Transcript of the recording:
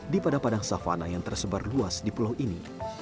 di padang padang savana yang tersebar luas di pulau ini